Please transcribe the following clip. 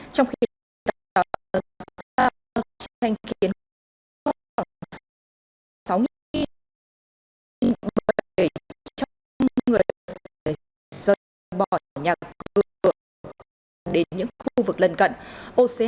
trong khi đó các vấn đề nhân đạo đã phản nàn về tình trạng nguồn lương thực gần như cạn kiệt